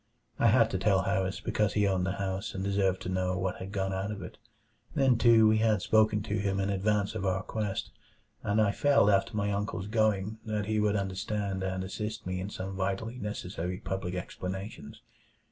I had to tell Harris because he owned the house and deserved to know what had gone out of it. Then too, we had spoken to him in advance of our quest; and I felt after my uncle's going that he would understand and assist me in some vitally necessary public explanations.